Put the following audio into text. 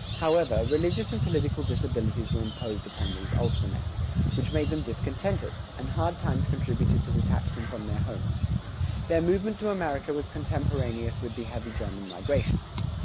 However, religious and political disabilities were imposed upon these Ulstermen, which made them discontented, and hard times contributed to detach them from their homes. Their movement to America was contemporaneous with the heavy German migration.